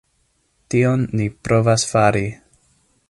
Tion ni provas fari.